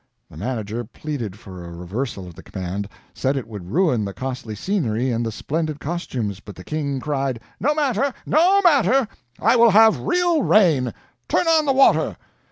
The manager pleaded for a reversal of the command; said it would ruin the costly scenery and the splendid costumes, but the King cried: "No matter, no matter, I will have real rain! Turn on the water!"